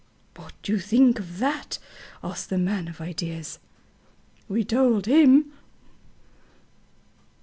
"What do you think of that?" asked the man of ideas. We told him.